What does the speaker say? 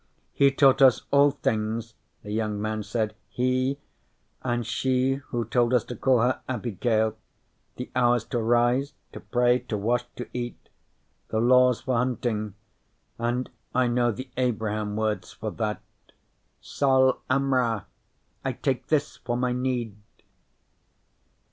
"He taught us all things," the young man said. "He, and she who told us to call her Abigail. The hours to rise, to pray, to wash, to eat. The laws for hunting, and I know the Abraham words for that: Sol Amra, I take this for my need."